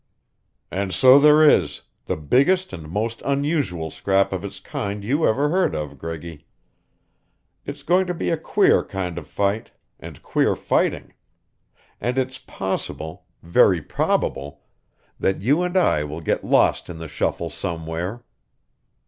"And so there is, the biggest and most unusual scrap of its kind you ever heard of, Greggy. It's going to be a queer kind of fight and queer fighting. And it's possible very probable that you and I will get lost in the shuffle somewhere.